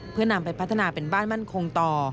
เพื่อนำไปพัฒนาเป็นบ้านมั่นคงต่อ